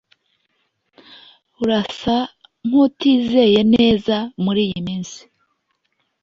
Urasa nkutizeye neza muriyi minsi.